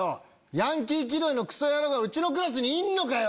ヤンキー気取りのクソ野郎がうちのクラスにいんのかよ！